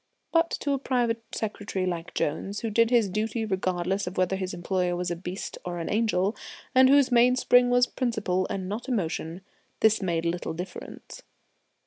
But to a private secretary like Jones, who did his duty regardless of whether his employer was beast or angel, and whose mainspring was principle and not emotion, this made little difference.